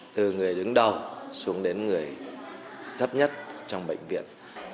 từ người đứng đầu xuống đến người thấp nhất trong bệnh viện